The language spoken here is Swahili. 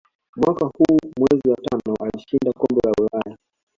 Mwaka huu mwezi wa tano alishinda kombe la ulaya